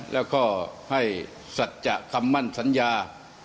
แล้วก็ให้สัจจะคำมั่นสัญญา